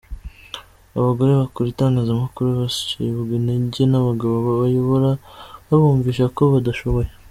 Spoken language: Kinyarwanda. Abagore bakora itangazamakuru bacibwa intege n’abagabo babayobora babumvisha ko badashoboye.